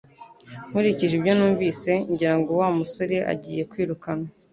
Nkurikije ibyo numvise ngira ngo Wa musore agiye kwirukanwa